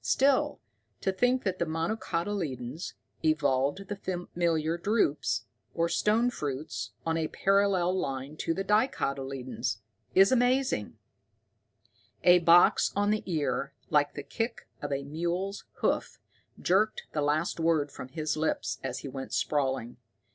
Still, to think that the monocotyledons evolved the familiar drupes, or stone fruits, on a parallel line to the dicotyledons is amazing!" A box on the ear like the kick of a mule's hoof jerked the last word from his lips as he went sprawling.